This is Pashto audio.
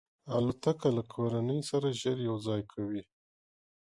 الوتکه له کورنۍ سره ژر یو ځای کوي.